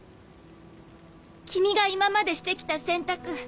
君が今までして来た選択